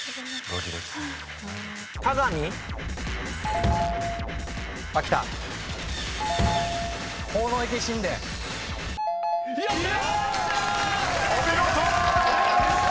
［お見事！］